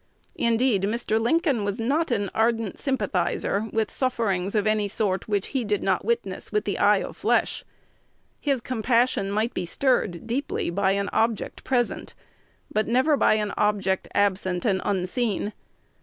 Indeed, Mr. Lincoln was not an ardent sympathizer with sufferings of any sort, which he did not witness with the eye of flesh. His compassion might be stirred deeply by an object present, but never by an object absent and unseen.